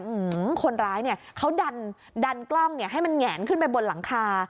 อืมคนร้ายเนี่ยเขาดันดันกล้องเนี่ยให้มันแงนขึ้นไปบนหลังคา